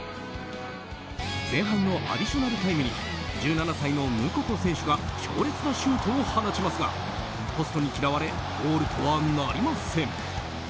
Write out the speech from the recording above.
前半のアディショナルタイムに１７歳のムココ選手が強烈なシュートを放ちますがポストに嫌われゴールとはなりません。